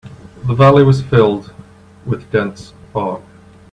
The valley was filled with dense fog.